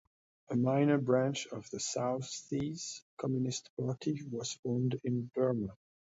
A minor branch of the South Seas Communist Party was formed in Burma.